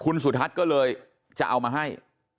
คุณสุทัศน์ก็เลยจะเอามาให้